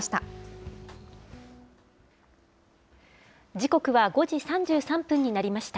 時刻は５時３３分になりました。